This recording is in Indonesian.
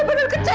ibu sakit hati